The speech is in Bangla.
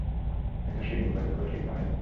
একটা শিপ ভূপাতিত করে শিক্ষা হয়নি?